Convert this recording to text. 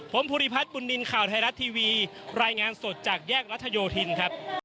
ผมภูริพัฒน์บุญนินทร์ข่าวไทยรัฐทีวีรายงานสดจากแยกรัชโยธินครับ